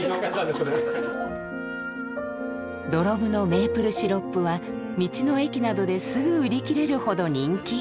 土呂部のメープルシロップは道の駅などですぐ売り切れるほど人気。